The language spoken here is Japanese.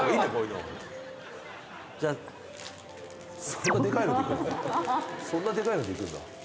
そんなでかいのでいくの？